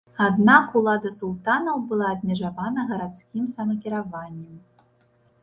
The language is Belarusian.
Аднак улада султанаў была абмежавана гарадскім самакіраваннем.